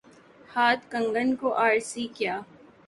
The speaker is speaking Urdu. ہاتھ کنگن کو آرسی کیا؟